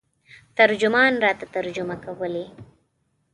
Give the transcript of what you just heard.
ترجمان راته ترجمه کولې.